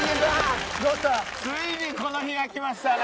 ついにこの日がきましたね。